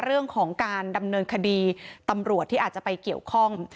เรื่องของการดำเนินคดีตำรวจที่อาจจะไปเกี่ยวข้อง